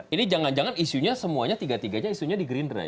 ini jangan jangan isunya semuanya tiga tiganya isunya di gerindra ya